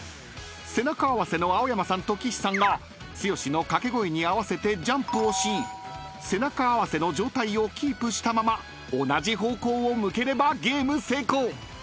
［背中合わせの青山さんと岸さんが剛の掛け声に合わせてジャンプをし背中合わせの状態をキープしたまま同じ方向を向ければゲーム成功］